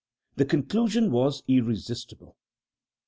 The conclusion was irresistible.